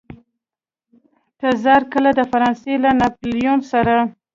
تزار کله د فرانسې له ناپلیون سره.